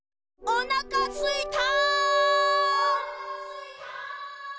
おなかすいた！